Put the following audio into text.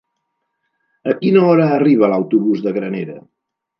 A quina hora arriba l'autobús de Granera?